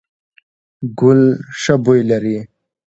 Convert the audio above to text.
ګل ښه بوی لري ….